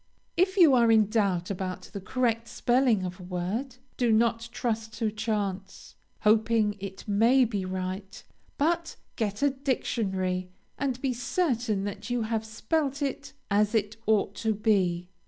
If you are in doubt about the correct spelling of a word, do not trust to chance, hoping it may be right, but get a dictionary, and be certain that you have spelt it as it ought to be.